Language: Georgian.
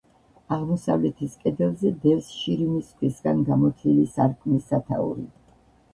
აღმოსავლეთის კედელზე დევს შირიმის ქვისგან გამოთლილი სარკმლის სათაური.